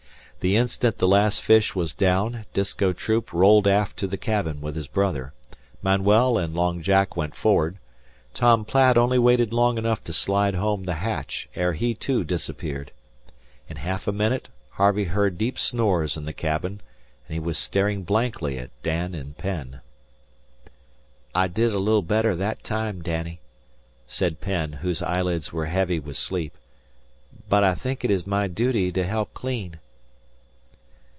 The instant the last fish was down, Disko Troop rolled aft to the cabin with his brother; Manuel and Long Jack went forward; Tom Platt only waited long enough to slide home the hatch ere he too disappeared. In half a minute Harvey heard deep snores in the cabin, and he was staring blankly at Dan and Penn. "I did a little better that time, Danny," said Penn, whose eyelids were heavy with sleep. "But I think it is my duty to help clean."